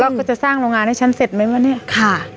เขาจะสร้างโรงงานให้ฉันเสร็จไหมวะเนี่ยค่ะ